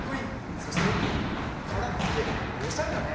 そしてカラフルでおしゃれだね！